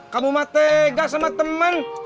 kamu mah tega sama teman